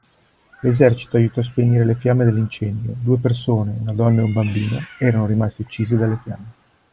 L'esercito aiutò a spegnere le fiamme dell'incendio: due persone, una donna e un bambino, erano rimasti uccisi dalle fiamme.